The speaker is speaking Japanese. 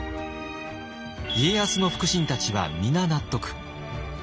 家康の腹心たちは皆納得。